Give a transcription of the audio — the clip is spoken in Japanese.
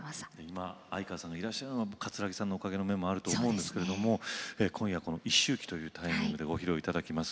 今相川さんがいらっしゃるのも葛城さんのおかげの面もあると思うんですけれども今夜この一周忌というタイミングでご披露頂きます。